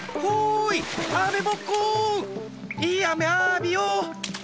いいあめあびよ！